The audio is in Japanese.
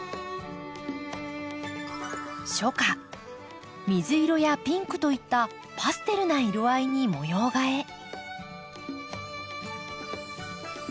初夏水色やピンクといったパステルな色合いに模様替え。